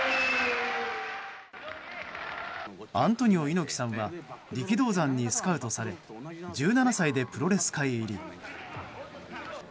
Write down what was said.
アントニオ猪木さんは力道山にスカウトされ１７歳でプロレス界入り。